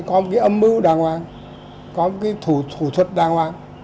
có một cái âm mưu đàng hoàng có một cái thủ thuật đà hoàng